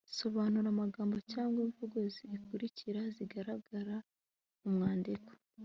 sobanura amagambo cyangwa imvugo zikurikira zigaragara mumwandiko